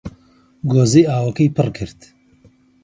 گۆزەی ئاوەکەی پڕ کرد